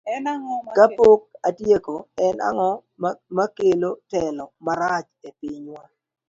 Kapok atieko, en ang'o makelo telo marach e pinywa?